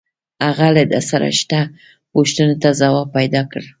هغه له ده سره شته پوښتنو ته ځواب پیدا کړ